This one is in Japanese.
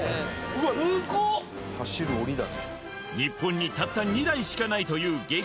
日本にたった２台しかないという激